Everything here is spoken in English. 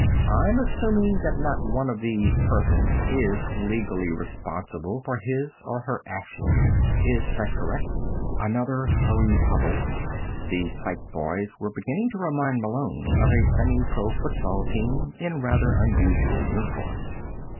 "I'm assuming that not one of these persons is legally responsible for his or her actions. Is that correct?" Another hurried huddle. The psych boys were beginning to remind Malone of a semi pro football team in rather unusual uniforms.